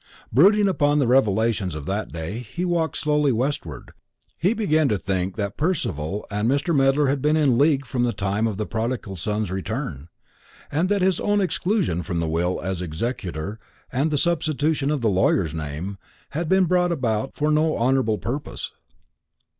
Brooding upon the revelations of that day as he walked slowly westward, he began to think that Percival and Mr. Medler had been in league from the time of the prodigal son's return, and that his own exclusion from the will as executor, and the substitution of the lawyer's name, had been brought about for no honourable purpose.